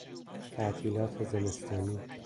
تعطیلات زمستانی